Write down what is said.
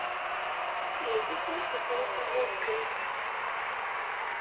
Ihi isem-is ufrux-a urqim?